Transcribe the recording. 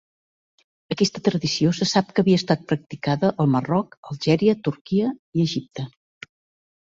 Aquesta tradició se sap que havia estat practicada al Marroc, Algèria, Turquia, i Egipte.